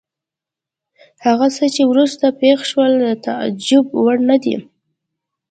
هغه څه چې وروسته پېښ شول د تعجب وړ نه دي.